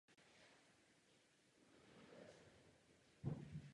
Na smíření měl velký podíl pražský biskup Daniel.